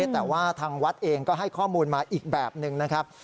แต่ว่าทางวัดเองก็ให้ข้อมูลมาอีกแบบหนึ่งนะครับ